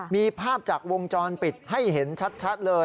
มีภาพจากวงจรปิดให้เห็นชัดเลย